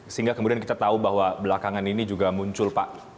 sehingga kemudian kita tahu bahwa belakangan ini juga muncul pak